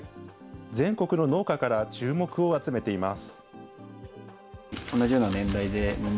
全国の農家から注目を集めています。